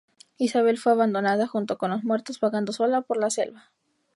Isabel fue abandonada junto con los muertos, vagando sola por la selva.